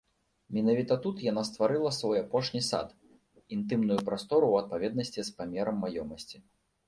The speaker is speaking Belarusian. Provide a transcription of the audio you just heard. Менавіта тут яна стварыла свой апошні сад, інтымную прастору ў адпаведнасці з памерам маёмасці.